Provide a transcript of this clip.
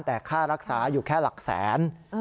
แต่ค่ารักษาอยู่แค่หลักแสน